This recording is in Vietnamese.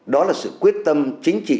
đó là sự quyết tâm chính trị